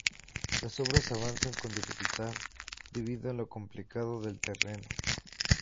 Las obras avanzan con dificultad, debido a lo complicado del terreno.